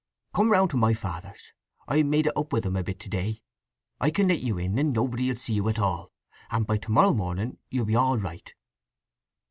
Come round to my father's—I made it up with him a bit to day. I can let you in, and nobody will see you at all; and by to morrow morning you'll be all right."